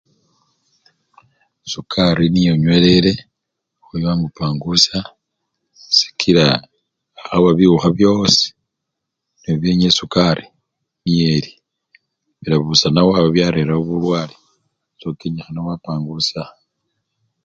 Sukari niyo onyelele okhoya wamupangusya sikila akhaba biwukha byosi nabyo byenya sukari niyeli, nebibusanawo byarera bulwale so kenyikhana khwapangusya